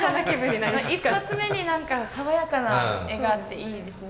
１発目に何か爽やかな絵があっていいですね。